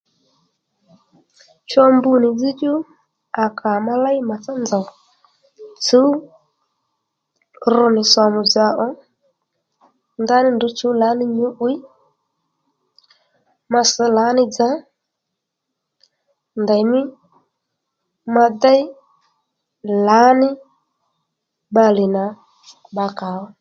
Cho mbu nì dzzdjú à kà ma léy màtsá nzòw tsǔw rú nì sòmù dzà ò ndaní ndrǔ chǔw lǎní nyǔ'wiy ma sš lǎní dza ndèymi ma déy lǎní bbalè nà bbakàó